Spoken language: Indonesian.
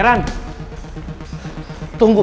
pansy mau ke mana